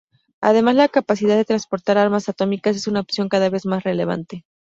Además la capacidad de transportar armas atómicas es una opción cada vez más relevante.